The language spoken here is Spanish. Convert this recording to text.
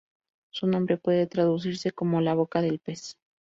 Su nombre puede traducirse como "la boca del pez".